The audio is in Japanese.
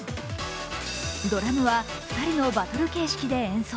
ドラムは２人のバトル形式で演奏。